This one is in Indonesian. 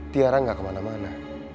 kita gak kemana mana